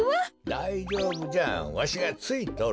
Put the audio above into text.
だいじょうぶじゃわしがついとる。